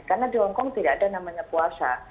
karena di hongkong tidak ada namanya puasa